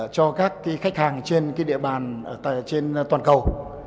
cho các khách hàng trên địa bàn trên toàn cầu